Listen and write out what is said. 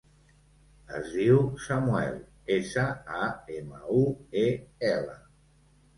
Es diu Samuel: essa, a, ema, u, e, ela.